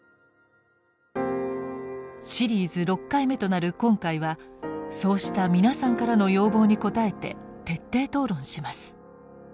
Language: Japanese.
シリーズ６回目となる今回はそうした皆さんからの要望に応えて徹底討論します。